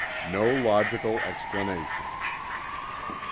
] No logical explanation. .